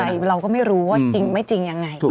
ใช่เราก็ไม่รู้ว่าจริงไม่จริงยังไง